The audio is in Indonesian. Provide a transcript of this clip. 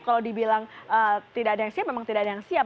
kalau dibilang tidak ada yang siap memang tidak ada yang siap